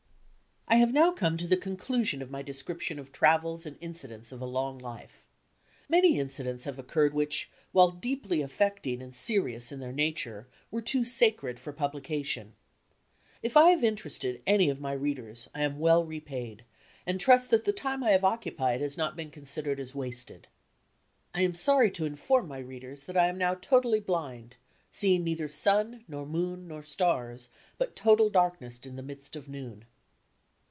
I have now come to the conclusion of my description of travels and incidents of a long life. Many incidents have occurred which, while deeply affecting and serious in their nature, were too sacred for publi cation. If I have interested any of my readers, I am well repaid, and trust that the time I have occupied has not been considered as wasted. SKETCHES OF TRAVEL I am sorry to inform my readers that I am now totally blind; seeing neither sun nor moon nor stars, but total darkness in the midst of noon.